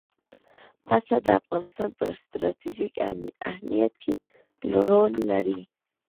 پسه د افغانستان په ستراتیژیک اهمیت کې رول لري.